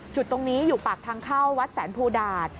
จุดตรงนี้อยู่ปากทางเข้าวัดแสนภูดาต